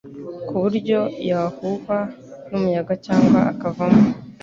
ku buryo yahuhwa n'umuyaga cyangwa akavamo